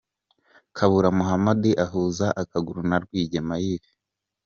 Kabura Mohammed ahuza akaguru na Rwigema Yves.